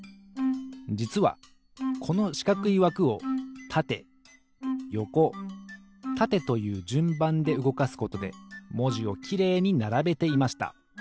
じつはこのしかくいわくをたてよこたてというじゅんばんでうごかすことでもじをきれいにならべていました。